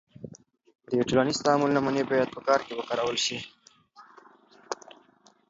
د ټولنیز تعامل نمونې باید په کار کې وکارول سي.